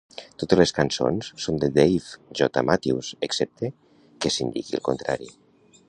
Totes les cançons són de Dave J. Matthews, excepte que s'indiqui el contrari.